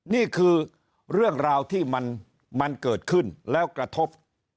นี่คือเรื่องราวที่มันเกิดขึ้นแล้วกระทบ